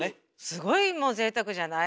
すごいぜいたくじゃない？